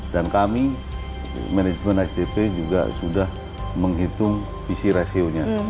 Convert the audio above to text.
dan kami manajemen isdp juga sudah menghitung visi rasionya